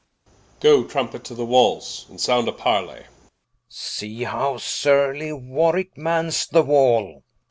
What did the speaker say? Goe, Trumpet, to the Walls, and sound a Parle Rich. See how the surly Warwicke mans the Wall War.